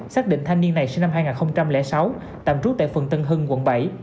xác định thanh niên này sinh năm hai nghìn sáu tạm trút tại phần tân hưng quận bảy